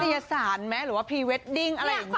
ยสารไหมหรือว่าพรีเวดดิ้งอะไรอย่างนี้